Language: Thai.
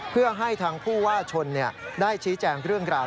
เพื่อให้ทางผู้ว่าชนได้ชี้แจงเรื่องราว